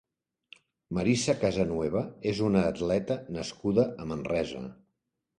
Marisa Casanueva és una atleta nascuda a Manresa.